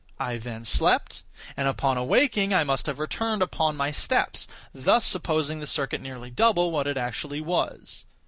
I then slept—and, upon awaking, I must have returned upon my steps—thus supposing the circuit nearly double what it actually was.